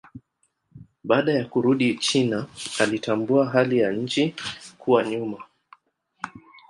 Baada ya kurudi China alitambua hali ya nchi kuwa nyuma.